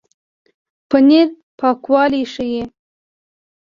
پنېر پاکوالی ښيي.